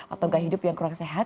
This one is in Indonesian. atau gaya hidup yang kurang sehat